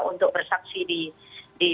untuk bersaksi di